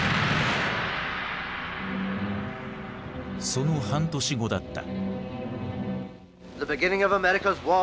その半年後だった。